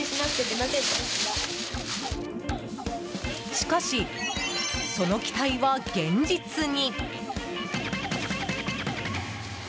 しかし、その期待は現実に。